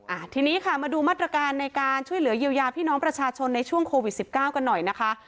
อ่าทีนี้ค่ะมาดูมาตรการในการช่วยเหลือเยียวยาพี่น้องประชาชนในช่วงโควิดสิบเก้ากันหน่อยนะคะ